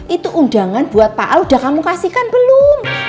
itu undangan buat pak al udah kamu kasihkan belum